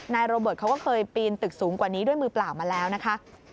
โรเบิร์ตเขาก็เคยปีนตึกสูงกว่านี้ด้วยมือเปล่ามาแล้วนะคะ